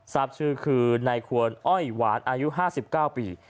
ทราบชื่อคือนายควรอ้อยหวานอายุ๕๙ปี